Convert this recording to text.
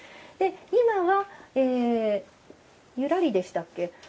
今は、ゆらりでしたっけ。